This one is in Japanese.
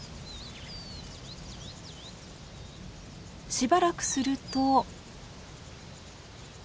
しばらくすると。